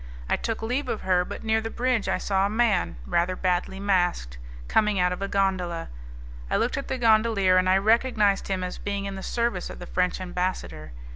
I took leave of her, but near the bridge I saw a man, rather badly masked, coming out of a gondola. I looked at the gondolier, and I recognized him as being in the service of the French ambassador.